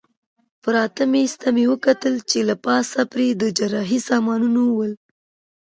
پراته مېز ته مې وکتل چې له پاسه پرې د جراحۍ سامانونه ول.